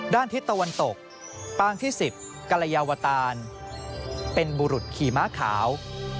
ทิศตะวันตกปางที่๑๐กรยาวตานเป็นบุรุษขี่ม้าขาว